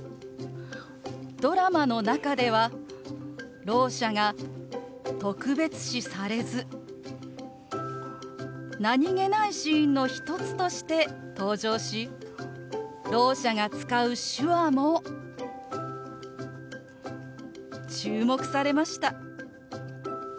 ドラマの中ではろう者が特別視されず何気ないシーンの一つとして登場しろう者が使う手話も注目されました。